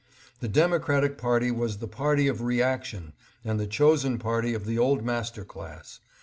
The Democratic party was the party of reaction and the chosen party of the old master class.